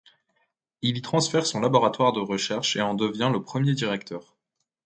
Il y transfère son laboratoire de recherches et en devient le premier directeur.